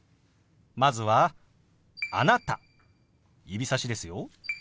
まずは「あなた」指さしですよ。